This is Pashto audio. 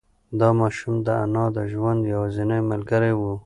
دا ماشوم د انا د ژوند یوازینۍ ملګری و.